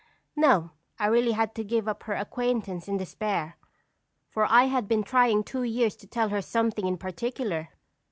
"No, I really had to give up her acquaintance in despair, for I had been trying two years to tell her something in particular."